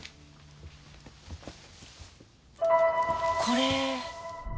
これ。